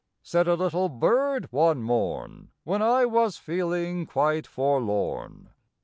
said a little bird one morn When I was feeling quite forlorn.